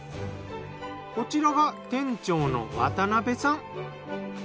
こちらが店長の渡邊さん。